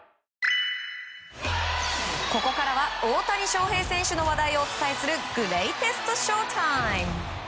ここからは大谷翔平選手の話題をお伝えするグレイテストＳＨＯ‐ＴＩＭＥ。